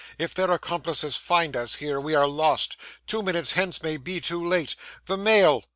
If their accomplices find us here, we are lost. Two minutes hence may be too late. The mail!"